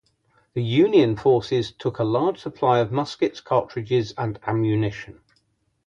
The Union forces took a large supply of muskets, cartridges, and ammunition.